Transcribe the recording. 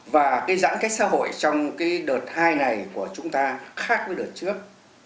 và cái giãn cách xã hội trong cái đợt hai này của chúng ta khác với đợt trước